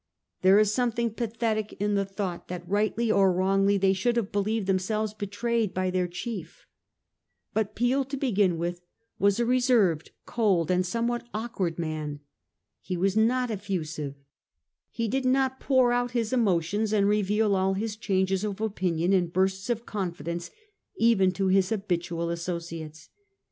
There is something pathetic in the thought that rightly or wrongly they should have believed themselves betrayed by their chief. But Peel to begin with was a reserved, cold, somewhat awkward man. He was not effusive ; he did not pour out his emotions and reveal all his changes of opinion in bursts of confidence even to his habitual associates.